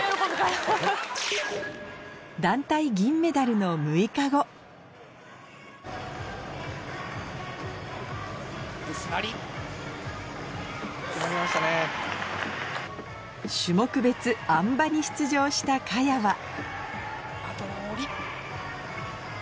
団体銀メダルの６日後種目別あん馬に出場した萱はあとは降り。